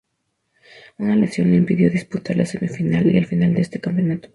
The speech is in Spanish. Una lesión le impidió disputar la semi-final y la final de este campeonato.